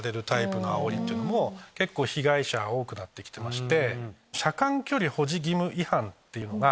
結構被害者多くなってまして。